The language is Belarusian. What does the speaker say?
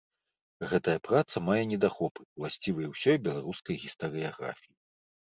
Гэтая праца мае недахопы, уласцівыя ўсёй беларускай гістарыяграфіі.